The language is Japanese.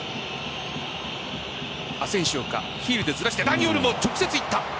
アセンシオか、ヒールでずらしてダニ・オルモ、直接行った。